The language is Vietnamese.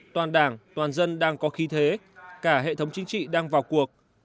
toàn đảng toàn dân đang có khi thế cả hệ thống chính trị đang vào cuộc